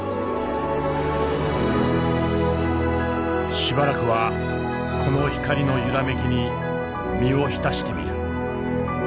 しばらくはこの光の揺らめきに身を浸してみる。